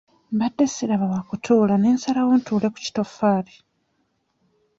Mbadde siraba wa kutuula ne nsalawo ntuule ku kitoffaali.